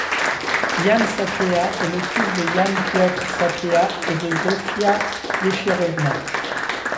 Jan Sapieha est le fils de Jan Piotr Sapieha et de Zofia Wejcherówna.